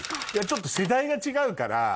ちょっと世代が違うから。